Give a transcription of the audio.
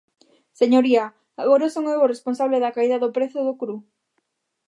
Señoría, ¿agora son eu o responsable da caída do prezo do cru?